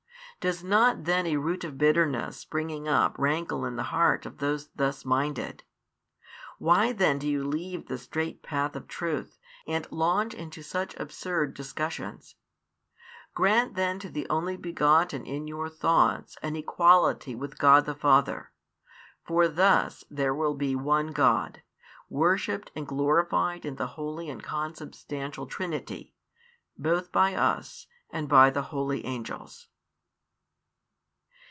Does not then a root of bitterness springing up rankle in the heart of those thus minded? Why then do you leave the straight path of truth, and launch into such absurd discussions? Grant then to the Only begotten in your thoughts an equality with God the Father. For thus there will be One God, worshipped and glorified in the holy and consubstantial Trinity, both by us and by the holy angels.